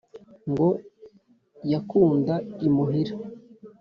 Ngo yakunda imuhira.